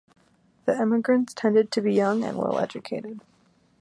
The emigrants tended to be young and well educated.